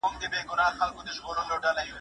زما عاشق سه او په ما کي پر خپل ځان مین سه ګرانه